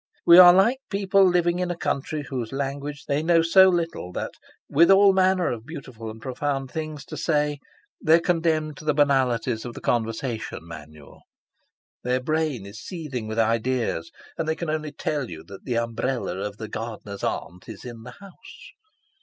We are like people living in a country whose language they know so little that, with all manner of beautiful and profound things to say, they are condemned to the banalities of the conversation manual. Their brain is seething with ideas, and they can only tell you that the umbrella of the gardener's aunt is in the house.